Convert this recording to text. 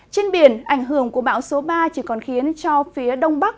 trên biển ảnh hưởng của bão số ba chỉ còn khiến cho phía đông bắc